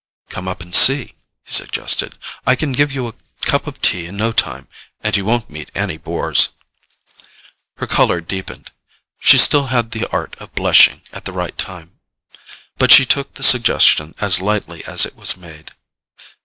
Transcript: "Come up and see," he suggested. "I can give you a cup of tea in no time—and you won't meet any bores." Her colour deepened—she still had the art of blushing at the right time—but she took the suggestion as lightly as it was made.